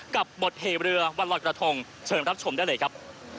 กับบทเหเรือวันลอยกระทงเชิญรับชมได้เลยครับ